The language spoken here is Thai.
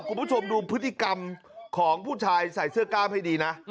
คุณผู้ชมดูพฤติกรรมของผู้ชายใส่เสื้อกล้ามให้ดีนะ